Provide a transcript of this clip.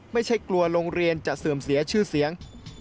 ไม่ใช่กลัวโรงเรียนจะเสื่อมเสียชื่อเสียง